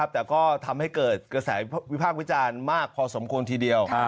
แต่ก็ทำให้เกิดกระแสวิพากษ์วิจารณ์มากพอสมควรทีเดียว